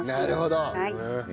なるほど。